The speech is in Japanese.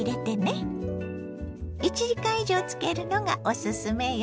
１時間以上漬けるのがおすすめよ。